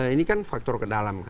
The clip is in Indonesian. ini kan faktor ke dalam